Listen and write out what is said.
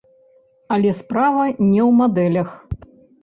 Але справа не ў мадэлях.